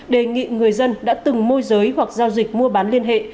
đề nghị người dân đã từng môi giới hoặc giao dịch mua bán liên hệ